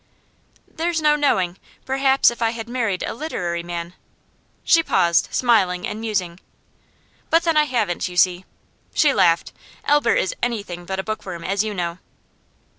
'There's no knowing; perhaps if I had married a literary man ' She paused, smiling and musing. 'But then I haven't, you see.' She laughed. 'Albert is anything but a bookworm, as you know.